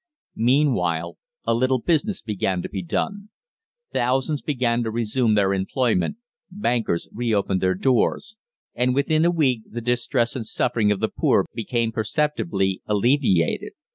Meanwhile a little business began to be done; thousands began to resume their employment, bankers reopened their doors, and within a week the distress and suffering of the poor became perceptibly alleviated.